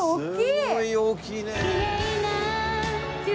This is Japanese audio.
すごい大きいねえ！